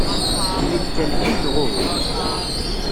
Ini-d kan ih neɣ uhu.